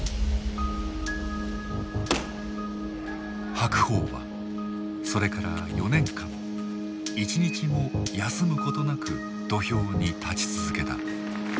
白鵬はそれから４年間一日も休むことなく土俵に立ち続けた。